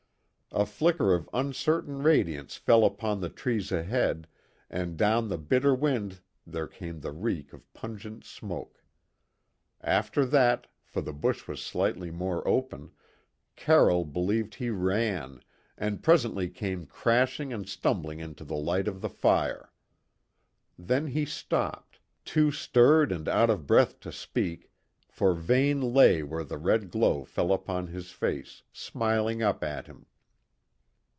A flicker of uncertain radiance fell upon the trees ahead and down the bitter wind there came the reek of pungent smoke. After that, for the bush was slightly more open, Carroll believed he ran, and presently came crashing and stumbling into the light of the fire. Then he stopped, too stirred and out of breath to speak, for Vane lay where the red glow fell upon his face, smiling up at him.